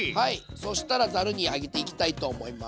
そしたらざるに上げていきたいと思います。